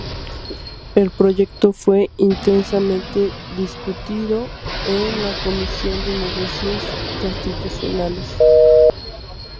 El proyecto fue intensamente discutido en la Comisión de Negocios Constitucionales.